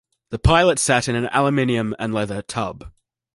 The pilot sat in an aluminium-and-leather tub.